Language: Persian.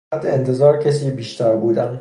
از حد انتظار کسی بیشتر بودن